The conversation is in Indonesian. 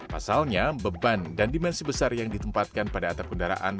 pasalnya beban dan dimensi besar yang ditempatkan pada atap kendaraan